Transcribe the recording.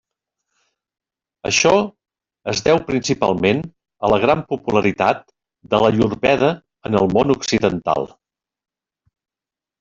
Això es deu principalment a la gran popularitat de l'ayurveda en el món occidental.